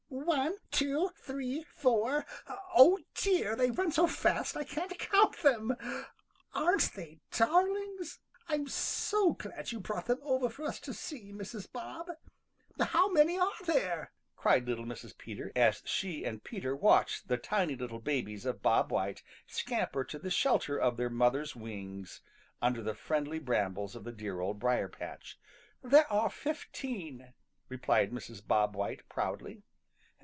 = |ONE, two, three, four oh, dear, they run so fast I can't count them! Aren't they darlings? I'm so glad you brought them over for us to see, Mrs. Bob. How many are there?" cried little Mrs. Peter, as she and Peter watched the tiny little babies of Bob White scamper to the shelter of their mother's wings under the friendly brambles of the dear Old Briar patch. "There are fifteen," replied Mrs. Bob White proudly.